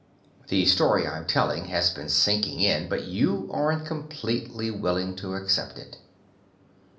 The story I'm telling has been sinking in, but you aren't completely willing to accept it.